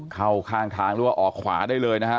เข้าข้างทางหรือว่าออกขวาได้เลยนะฮะ